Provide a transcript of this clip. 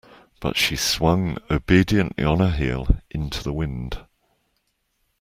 But she swung obediently on her heel into the wind.